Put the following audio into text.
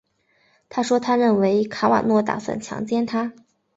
她说她认为卡瓦诺打算强奸她。